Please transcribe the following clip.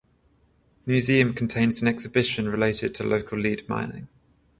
The museum contains an exhibition related to local lead mining.